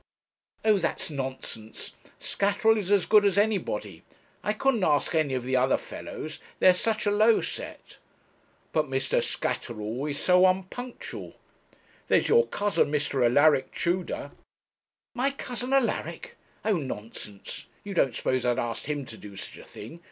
'Oh, that's nonsense Scatterall is as good as anybody I couldn't ask any of the other fellows they are such a low set.' 'But Mr. Scatterall is so unpunctual. There's your cousin, Mr. Alaric Tudor.' 'My cousin Alaric! Oh, nonsense! you don't suppose I'd ask him to do such a thing?